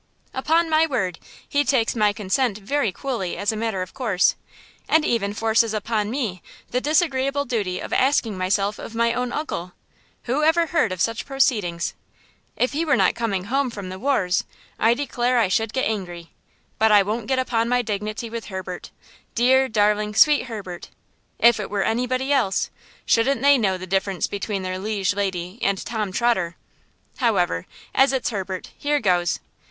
"Upon my word, he takes my consent very coolly as a matter of course, and even forces upon me the disagreeable duty of asking myself of my own uncle! Who ever heard of such proceedings? If he were not coming home from the wars, I declare I should get angry; but I won't get upon my dignity with Herbert–dear, darling, sweet Herbert. If it were anybody else, shouldn't they know the difference between their liege lady and Tom Trotter? However, as it's Herbert, here goes!